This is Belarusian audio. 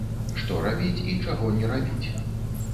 Што рабіць і чаго не рабіць.